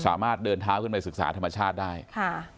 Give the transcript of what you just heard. สามารถเดินเท้าขึ้นไปศึกษาธรรมชาติได้ค่ะ